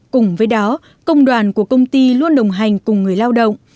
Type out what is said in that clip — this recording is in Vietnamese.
cùng với đó công đoàn của công ty luôn đồng hành cùng người lao động